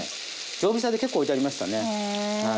常備菜で結構置いてありましたね。